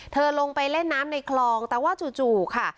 ลงไปเล่นน้ำในคลองแต่ว่าจู่ค่ะ